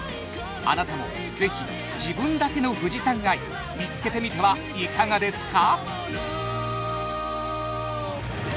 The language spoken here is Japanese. あなたもぜひ自分だけの富士山愛見つけてみてはいかがですか？